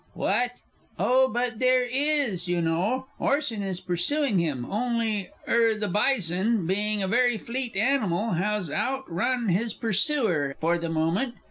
What? Oh, but there is, you know. Orson is pursuing him, only er the bison, being a very fleet animal, has outrun his pursuer for the moment.